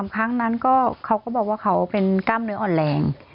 ครั้งนั้นเขาก็บอกว่าเขาเป็นกล้ามเนื้ออ่อนแรง